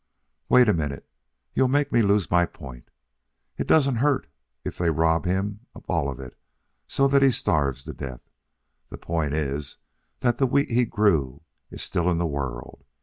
"Wait a minute. You'll make me lose my point. It doesn't hurt if they rob him of all of it so that he starves to death. The point is that the wheat he grew is still in the world.